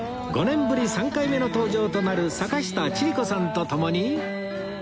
５年ぶり３回目の登場となる坂下千里子さんと共に